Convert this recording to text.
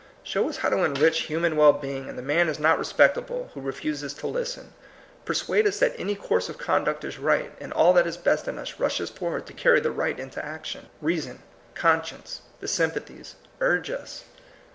Show us how to enrich human well being, and the man is not re spectable who refuses to listen. Perauade us that any course of conduct is right, and all that is best in us rushes forward to carry the right into action. Reason, conscience, the sjrmpathies, urge us.